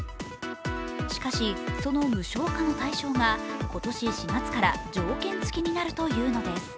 しかし、その無償化の対象が今年４月から条件付きになるというのです。